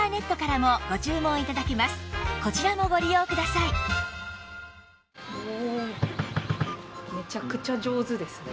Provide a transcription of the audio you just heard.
さらにめちゃくちゃ上手ですね。